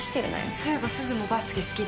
そういえばすずもバスケ好きだよね？